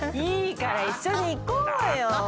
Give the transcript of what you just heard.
いいから一緒に行こうよ。